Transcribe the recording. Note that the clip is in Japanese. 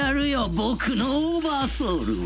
僕のオーバーソウルを。